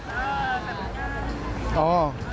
นาฬิกาคู่